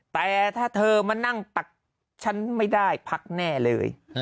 แต่ถ้าเธอมานั่งตักฉันไม่ได้พักแน่เลย